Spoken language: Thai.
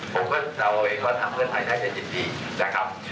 ผมก็เดาเองว่าทางเพื่อนไทยน่าจะยินดีนะครับ